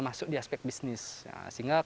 masuk di aspek bisnis sehingga